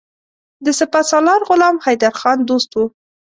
د سپه سالار غلام حیدرخان دوست وو.